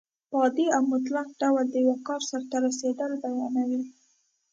په عادي او مطلق ډول د یو کار سرته رسېدل بیانیوي.